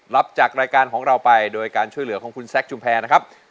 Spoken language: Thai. รับจากรายการของเราไปโดยการช่วยเหลือของคุณแซคชุมแพรนะครับ